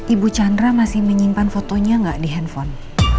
ibu chandra masih menyimpan fotonya nggak di handphone